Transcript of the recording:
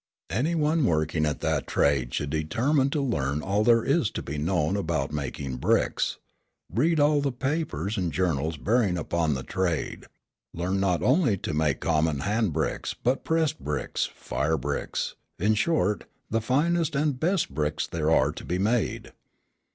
Any one working at that trade should determine to learn all there is to be known about making bricks; read all the papers and journals bearing upon the trade; learn not only to make common hand bricks, but pressed bricks, fire bricks, in short, the finest and best bricks there are to be made.